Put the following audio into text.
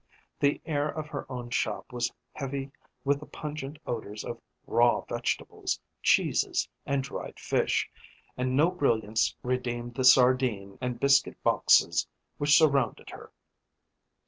The air of her own shop was heavy with the pungent odours of raw vegetables, cheeses, and dried fish, and no brilliance redeemed the sardine and biscuit boxes which surrounded her.